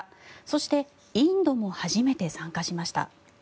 そして、インドも初めて参加しました。